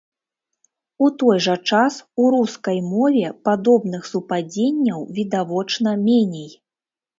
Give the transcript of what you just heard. У той жа час, у рускай мове падобных супадзенняў відавочна меней.